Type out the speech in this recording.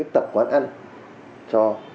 tập quán ăn cho